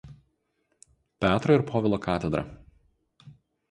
Petro ir Povilo katedra.